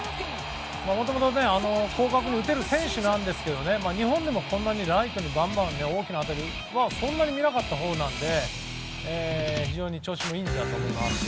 もともと広角に打てる選手なんですけど日本でも、こんなにライトにバンバン大きな当たりってそんなに見なかったので非常に調子がいいんだと思います。